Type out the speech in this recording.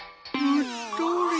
うっとり。